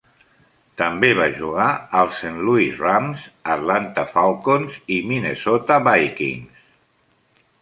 També va jugar als Saint Louis Rams, Atlanta Falcons i Minnesota Vikings.